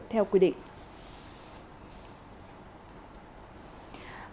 theo quy định